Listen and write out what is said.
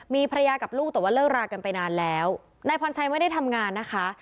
มีภรรยากับลูกแต่ว่าเลิกรากันไปนานแล้วนายพรชัยไม่ได้ทำงานนะคะ